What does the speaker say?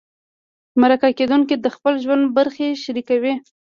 مرکه کېدونکی د خپل ژوند برخې شریکوي.